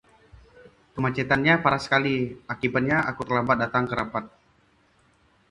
Kemacetannya parah sekali, akibatnya aku terlambat datang ke rapat.